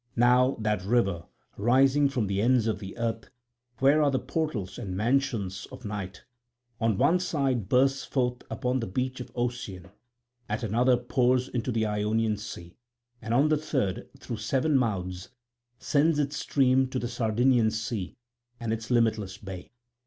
Now that river, rising from the ends of the earth, where are the portals and mansions of Night, on one side bursts forth upon the beach of Ocean, at another pours into the Ionian sea, and on the third through seven mouths sends its stream to the Sardinian sea and its limitless bay.